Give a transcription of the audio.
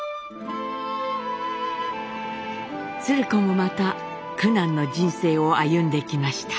鶴子もまた苦難の人生を歩んできました。